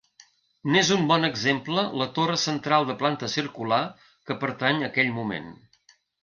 N'és un bon exemple la torre central de planta circular, que pertany a aquell moment.